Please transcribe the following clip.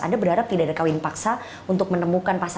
anda berharap tidak ada kawin paksa untuk menemukan pasangan